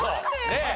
ねえ。